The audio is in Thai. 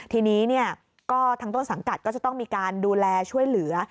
ทีนี้ก็ทางต้นสังกัดก็จะต้องมีการดูแลช่วยเหลือ